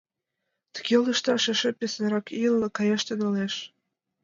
Тыге лышташ эше писынрак ийын каяш тӱҥалеш.